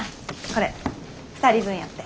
これ２人分やって。